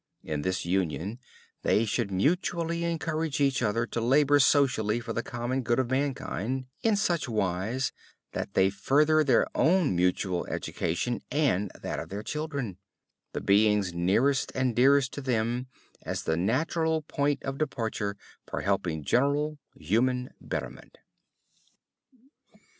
In this union they should mutually encourage each other to labor socially for the common good of mankind, in such wise that they further their own mutual education and that of their children, the beings nearest and dearest to them, as the natural point of departure for helping general human betterment.